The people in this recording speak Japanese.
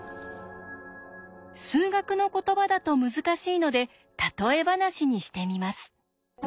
数学の言葉だと難しいので例え話にしてみます。